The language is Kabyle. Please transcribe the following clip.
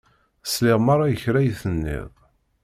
Sliɣ merra i kra i tenniḍ